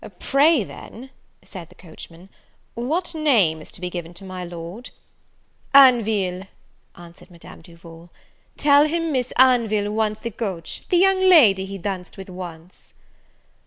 "Pray, then," said the coachman, "what name is to be given to my Lord?" "Anville," answered Madame Duval; "tell him Miss Anville wants the coach; the young lady he danced with once."